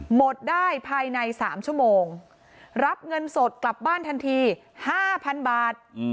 หมดได้ภายใน๓ชั่วโมงรับเงินสดกลับบ้านทันที๕๐๐๐บาท